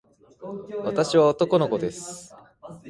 私は男の子です。